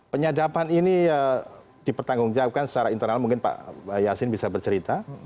penyadapan ini dipertanggungjawabkan secara internal mungkin pak yasin bisa bercerita